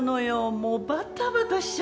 もうバタバタしちゃって。